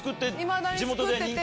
いまだに作ってて。